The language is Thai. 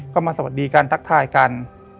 ก็มาสวัสดีกันทักทายกัน